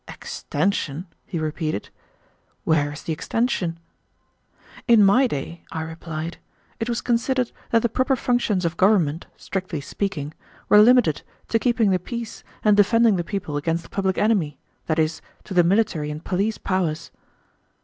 "Extension!" he repeated, "where is the extension?" "In my day," I replied, "it was considered that the proper functions of government, strictly speaking, were limited to keeping the peace and defending the people against the public enemy, that is, to the military and police powers."